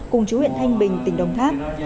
cùng chú huyện thanh bình tỉnh đồng tháp